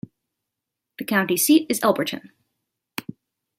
The county seat is Elberton.